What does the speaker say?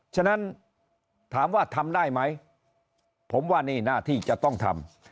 ฉะนั้นถามว่าทำได้ไหมผมว่านี่หน้าที่จะต้องทำ